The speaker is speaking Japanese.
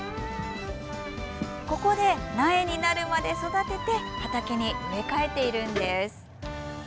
ここで苗になるまで育てて畑に植え替えているんです。